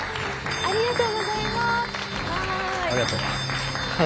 ありがとうございます。